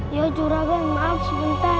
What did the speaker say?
ya juragan maaf sebentar